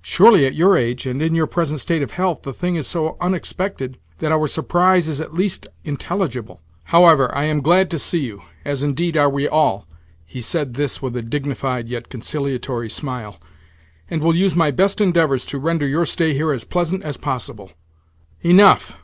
"Surely, at your age, and in your present state of health, the thing is so unexpected that our surprise is at least intelligible. However, I am glad to see you (as indeed, are we all"—he said this with a dignified, yet conciliatory, smile), "and will use my best endeavours to render your stay here as pleasant as possible." "Enough!